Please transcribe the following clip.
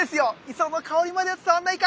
磯の香りまでは伝わんないか。